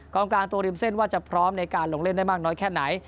กลางกลางตัวริมเส้นว่าจะพร้อมในการลงเล่นได้มากน้อยแค่ไหน